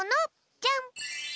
じゃん。